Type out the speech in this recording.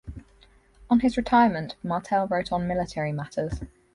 On his retirement, Martel wrote on military matters.